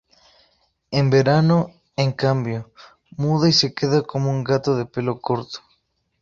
En verano, en cambio, muda y se queda como un gato de pelo corto.